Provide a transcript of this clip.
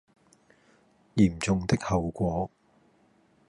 嚴重的後果